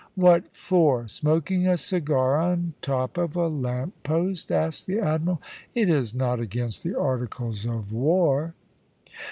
"What for smoking a cigar on the top of a lamp post?" asked the Admiral. "It is not against the articles of war."